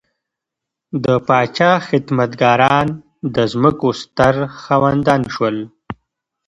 د پاچا خدمتګاران د ځمکو ستر خاوندان شول.